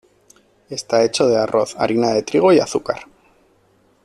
Está hecho de arroz, harina de trigo y azúcar.